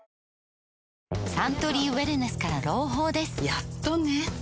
やっとね